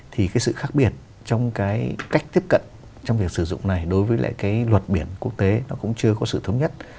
thì cái sự khác biệt trong cái cách tiếp cận trong việc sử dụng này đối với lại cái luật biển quốc tế nó cũng chưa có sự thống nhất